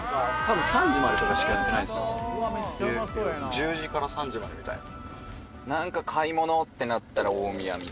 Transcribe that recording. １０時から３時までみたいな。